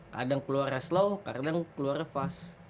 kadang keluar reslaw kadang keluar fast